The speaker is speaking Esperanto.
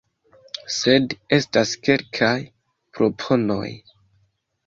Sed estas kelkaj proponoj;